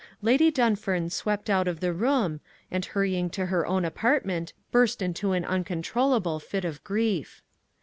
Lady Dunfern swept out of the room, and hurrying to her own apartment, burst into an uncontrollable fit of grief.